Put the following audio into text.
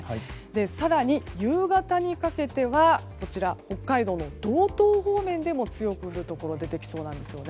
更に、夕方にかけては北海道の道東方面でも強く降るところが出てきそうです。